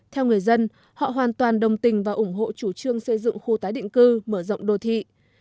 theo người dân họ hoàn toàn đồng tình và ủng hộ chủ trương xây dựng khu tái định cư mở rộng đô thị